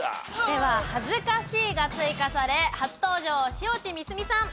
では「はずかしい」が追加され初登場塩地美澄さん。